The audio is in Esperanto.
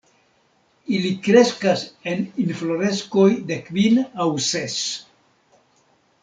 Ili kreskas en infloreskoj de kvin aŭ ses.